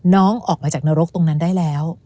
น้องออกมาจากนรกตรงนั้นได้แล้ว